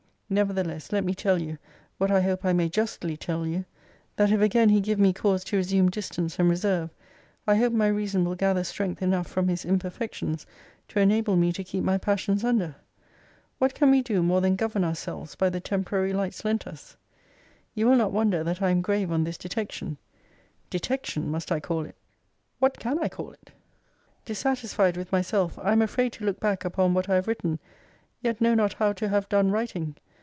Nevertheless, let me tell you (what I hope I may justly tell you,) that if again he give me cause to resume distance and reserve, I hope my reason will gather strength enough from his imperfections to enable me to keep my passions under. What can we do more than govern ourselves by the temporary lights lent us? You will not wonder that I am grave on this detection Detection, must I call it? What can I call it? Dissatisfied with myself, I am afraid to look back upon what I have written: yet know not how to have done writing.